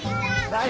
何？